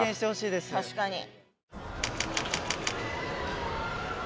確かに。